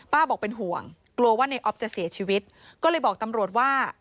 บอกเป็นห่วงกลัวว่าในออฟจะเสียชีวิตก็เลยบอกตำรวจว่า